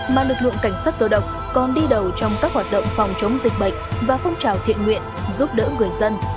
mà lực lượng cảnh sát cơ động còn đi đầu trong các hoạt động phòng chống dịch bệnh và phong trào thiện nguyện giúp đỡ người dân